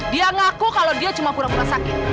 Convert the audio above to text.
dia ngaku kalau dia cuma pura pura sakit